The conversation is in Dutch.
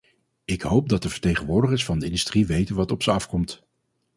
Ik hoop dat de vertegenwoordigers van de industrie weten wat op ze afkomt.